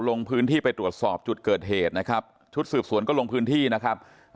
ลงพื้นที่ไปตรวจสอบจุดเกิดเหตุนะครับชุดสืบสวนก็ลงพื้นที่นะครับ